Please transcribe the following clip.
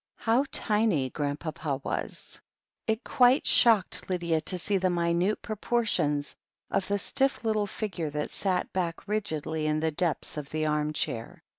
How tiny Grandpapa wast It quite shocked Lydia to see the minute propor 12 THE HEEL OF ACHILLES tions of the stiff little figure that sat back rigidly in the depths of the arm chair.